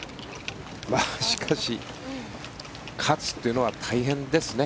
しかし、勝つというのは大変ですね。